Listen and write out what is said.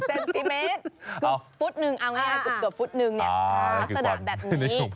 ๒๙เซนติเมตรคุดเกือบฟุตหนึ่งเนี่ยภาษณะแบบนี้